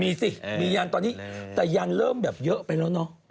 มีสิมียันตอนนี้แต่ยันเริ่มแบบเยอะไปแล้วเนอะ